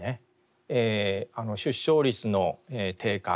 出生率の低下